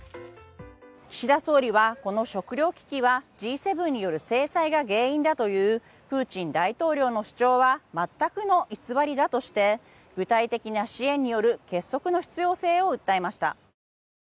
岸田総理はこの食糧危機はＧ７による制裁が原因だというプーチン大統領の主張は全くの偽りだとして具体的な支援による結束の必要性を訴えました。